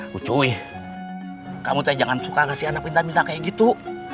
kucuih kamu tanya jangan suka ngasih anak minta minta kayak gitu